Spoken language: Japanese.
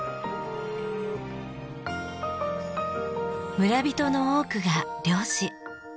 村人の多くが漁師。